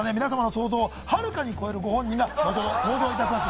想像をはるかに超えるご本人が登場いたします。